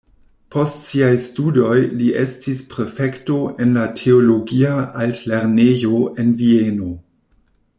Post siaj studoj li estis prefekto en la teologia altlernejo en Vieno.